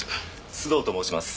須藤と申します。